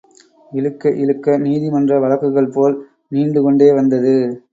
இழுக்க இழுக்க நீதிமன்ற வழக்குகள் போல் நீண்டு கொண்டே வந்தது.